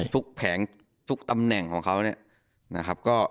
ทุกแผงทุกตำแหน่งของเขา